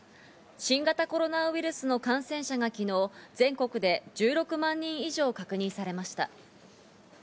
新型コロナウイルスの新たな感染者が昨日、全国で１６万人以上確認されました。